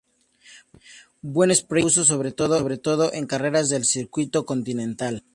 Buen sprinter se impuso sobre todo en carreras del circuito continental.